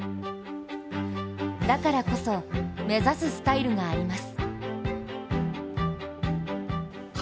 だからこそ目指すスタイルがあります。